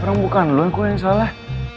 orang bukan lo yang salah